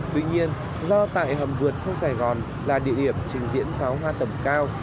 tuy nhiên do tại hầm vượt sông sài gòn là địa điểm trình diễn pháo hoa tầm cao